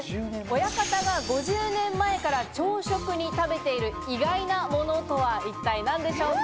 親方が５０年前から朝食に食べている意外なものとは一体何でしょうか。